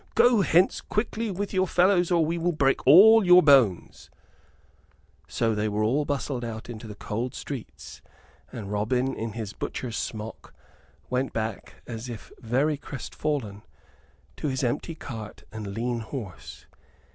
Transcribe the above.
Go hence quickly, with your fellows, or we will break all your bones." So were they all bustled out into the cold streets, and Robin, in his butcher's smock, went back, as if very crest fallen, to his empty cart and lean horse.